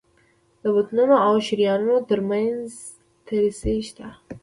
د بطنونو او شریانونو تر منځ هم دریڅې شته.